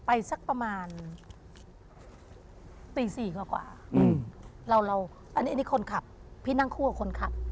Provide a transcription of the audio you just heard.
พี่นั่งคู่กับคนขับ